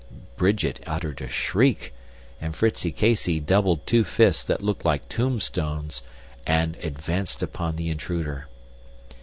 Bridget uttered a shriek, and Fritzie Casey doubled two fists that looked like tombstones, and advanced upon the intruder.